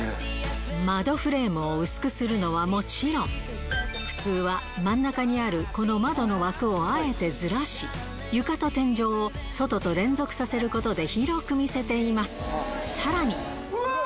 窓フレームを薄くするのはもちろん、普通は真ん中にあるこの窓の枠をあえてずらし、床と天井を外と連続させることで広く見せています。